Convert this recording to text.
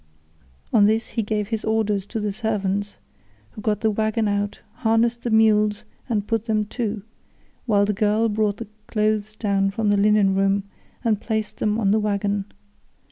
On this he gave his orders to the servants, who got the waggon out, harnessed the mules, and put them to, while the girl brought the clothes down from the linen room and placed them on the waggon.